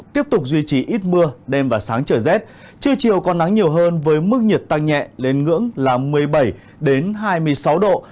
tiếp tục duy trì ít mưa đêm và sáng trở rét trưa chiều có nắng nhiều hơn với mức nhiệt tăng nhẹ lên ngưỡng là một mươi bảy hai mươi sáu độ